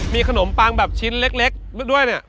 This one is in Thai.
มีขนมปังแบบชิ้นเล็กด้วยเนี่ย